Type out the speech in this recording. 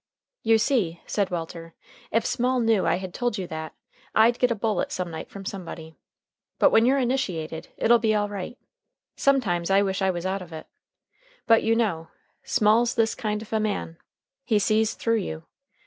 "You see," said Walter, "if Small knew I had told you that, I'd get a bullet some night from somebody. But when you're initiated it'll be all right. Sometimes I wish I was out of it. But, you know, Small's this kind of a man. He sees through you.